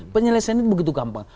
penjelasan ini begitu gampang